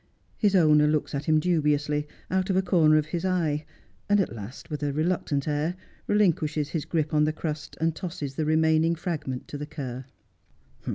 His owner looks at him dubiously, out of a corner of his eye, and at last, with a reluctant air, relinquishes his grip upon the crust, and tosses the remaining fragment to the cur.